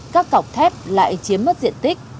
các cọc thép lại chiếm mất diện tích